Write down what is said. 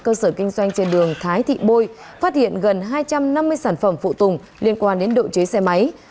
cơ sở kinh doanh trên đường thái thị bôi phát hiện gần hai trăm năm mươi sản phẩm phụ tùng liên quan đến độ chế xe máy